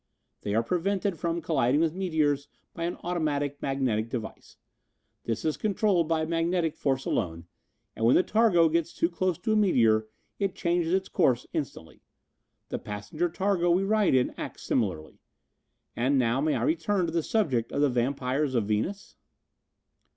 They are prevented from colliding with meteors by an automatic magnetic device. This is controlled by magnetic force alone, and when the targo gets too close to a meteor it changes its course instantly. The passenger targo we ride in acts similarly. And now may I return to the subject of the vampires of Venus?"